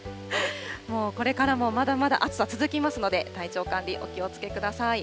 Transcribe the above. もうこれからもまだまだ暑さ続きますので、体調管理、お気をつけください。